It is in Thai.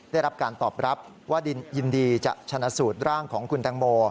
ได้รับการตอบรับว่ายินดีจะชนะสูตรร่างของคุณแตงโม